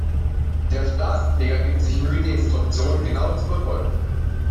Der Straßenfeger gibt sich Mühe, die Instruktionen genau zu befolgen.